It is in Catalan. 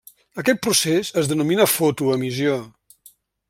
Aquest procés es denomina fotoemissió.